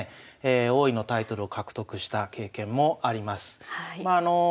王位のタイトルを獲得した経験もあります。